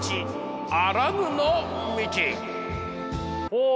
ほう。